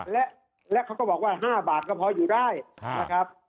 และเขาก็บอกว่า๕บาทก็พออยู่ได้นะครับ